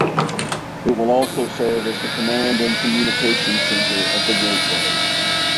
It will also serve as the command and communications center of the Gateway.